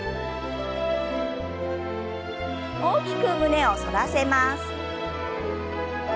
大きく胸を反らせます。